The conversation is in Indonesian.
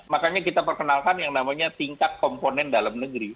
makanya kita perkenalkan yang namanya tingkat komponen dalam negeri